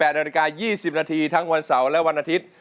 นาฬิกา๒๐นาทีทั้งวันเสาร์และวันอาทิตย์